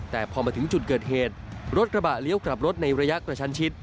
แต่พอมาถึงจุดเกิดเหตุรถกระบะเลี้ยวกลับรถในระยะกระชันชิด